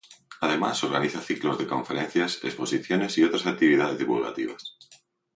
Además, organiza ciclos de conferencias, exposiciones y otras actividades divulgativas.